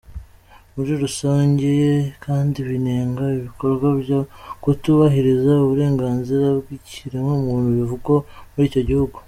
Muri rusange kandi binenga ibikorwa byo kutubahiriza uburenganzira bw'ikiremwamuntu bivugwa muri icyo gihugu.